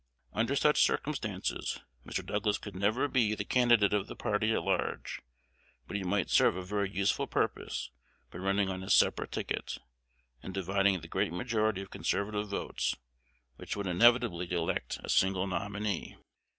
Under such circumstances, Mr. Douglas could never be the candidate of the party at large; but he might serve a very useful purpose by running on a separate ticket, and dividing the great majority of conservative votes, which would inevitably elect a single nominee.